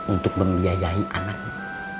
untuk membiayahi anaknya